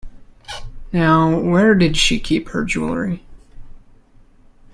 Now, where did she keep her jewellery?